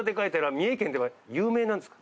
三重県では有名なんですか？